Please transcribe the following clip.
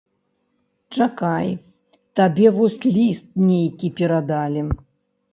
Чакай, табе вось ліст нейкі перадалі.